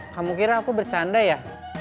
kamu kira aku bercanda ya